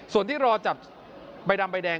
ส่วนที่รอจับใบดำใบแดง